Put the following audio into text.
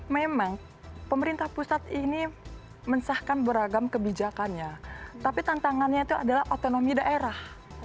memang pemerintah pusat ini mensahkan beragam kebijakannya tapi tantangannya itu adalah otonomi daerah